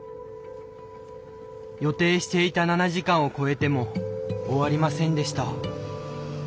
予定していた７時間を超えても終わりませんでした。